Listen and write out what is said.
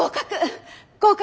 合格！